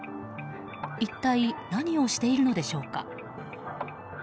一体何をしているのでしょうか？